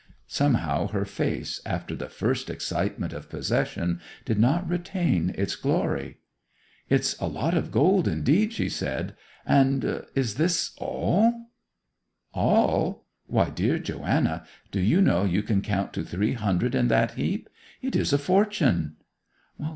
Somehow her face, after the first excitement of possession, did not retain its glory. 'It is a lot of gold, indeed,' she said. 'And—is this all?' 'All? Why, dear Joanna, do you know you can count to three hundred in that heap? It is a fortune!